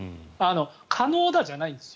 可能だじゃないんです。